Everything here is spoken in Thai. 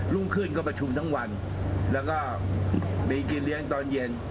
รุ่งขึ้นก็ประชุมทั้งวันแล้วก็มีกินเลี้ยงตอนเย็น